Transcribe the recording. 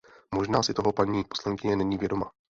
Možná si toho paní poslankyně není vědoma.